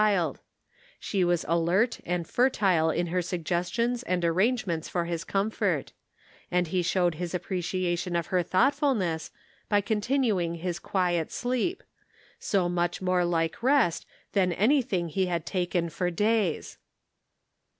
363 child ; she was alert and fertile in her sug gestions and arrangements for his comfort; and he showed his appreciation of her thought fulness by continuing his quiet sleep; so much more like rest than anything he had taken for days.